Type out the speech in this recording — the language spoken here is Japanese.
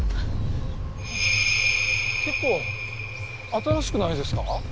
結構新しくないですか？